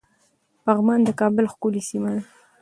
پغمان د کابل ښکلی سيمه ده